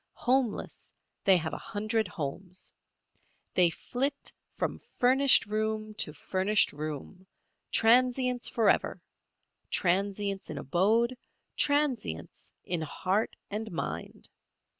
Homeless, they have a hundred homes. They flit from furnished room to furnished room, transients forever—transients in abode, transients in heart and mind.